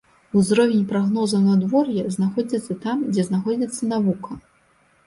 Узровень прагнозаў надвор'я знаходзіцца там, дзе знаходзіцца навука.